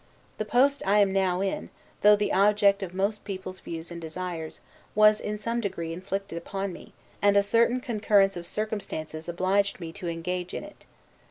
The post I am now in, though the object of most people's views and desires, was in some degree inflicted upon me; and a certain concurrence of circumstances obliged me to engage in it.